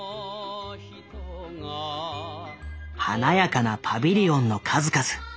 華やかなパビリオンの数々。